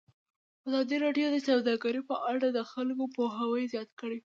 ازادي راډیو د سوداګري په اړه د خلکو پوهاوی زیات کړی.